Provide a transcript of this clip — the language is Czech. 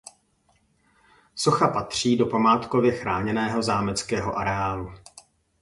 Socha patří do památkově chráněného zámeckého areálu.